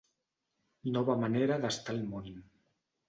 «nova manera d'estar al món».